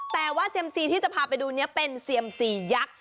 แต่ว่าเซียมซีที่จะพาไปดูนี้เป็นเซียมซียักษ์